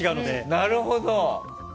なるほど。